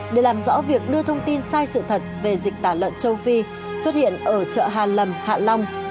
để làm rõ việc đưa thông tin sai sự thật về dịch tả lợn châu phi xuất hiện ở chợ hà lầm hạ long